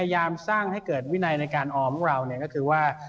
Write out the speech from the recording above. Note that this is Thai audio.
พยายามสร้างให้เกิดวินัยในการออมของเราก็คือว่า